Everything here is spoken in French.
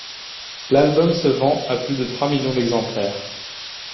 L’album se vend à plus de trois millions d’exemplaires.